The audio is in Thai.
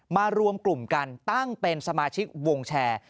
รวมกลุ่มกันตั้งเป็นสมาชิกวงแชร์